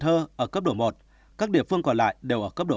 trong trường hợp các địa phương còn lại đều ở cấp độ hai